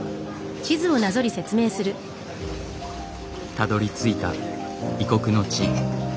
たどりついた異国の地。